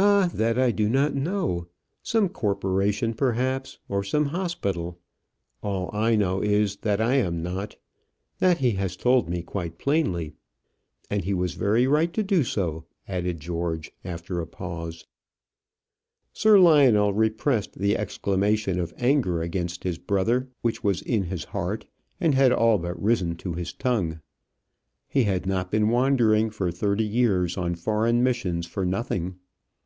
"Ah, that I do not know. Some corporation, perhaps, or some hospital. All I know is, that I am not. That he has told me quite plainly. And he was very right to do so," added George, after a pause. Sir Lionel repressed the exclamation of anger against his brother which was in his heart, and had all but risen to his tongue. He had not been wandering for thirty years on foreign missions for nothing.